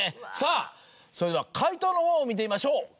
さぁそれでは解答のほうを見てみましょう。